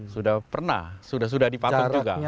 sudah pernah sudah sudah dipatok juga